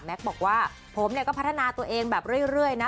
บอกว่าผมเนี่ยก็พัฒนาตัวเองแบบเรื่อยนะ